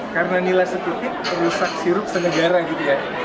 karena nilai setikit perusak sirup senegara gitu ya